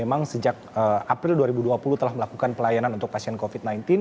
memang sejak april dua ribu dua puluh telah melakukan pelayanan untuk pasien covid sembilan belas